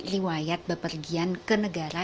riwayat bepergian ke negara